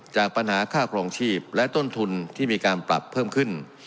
จากปัญหาค่าครองชีพและต้นทุนที่มีการปรับเพิ่มขึ้น